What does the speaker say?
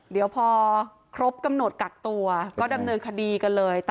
เดี๋ยวพอครบกำหนดกักตัวก็ดำเนินคดีกันเลย